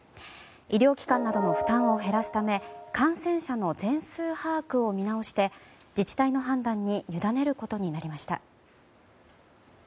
医療機関などの負担を減らすため感染者の全数把握を見直して自治体の判断に委ねることになりました。